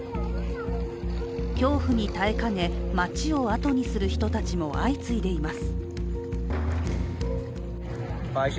恐怖に耐えかね、街をあとにする人たちも相次いでいます。